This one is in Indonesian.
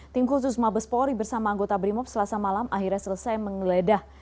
tim khusus mabes polri bersama anggota brimob selasa malam akhirnya selesai mengeledah